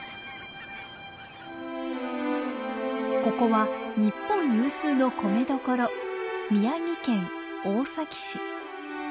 ここは日本有数の米どころ宮城県大崎市。